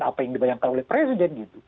seperti apa yang dibayangkan oleh presiden